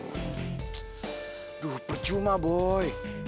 aduh percuma boy